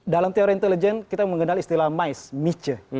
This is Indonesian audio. dalam teori intelijen kita mengenal istilah mice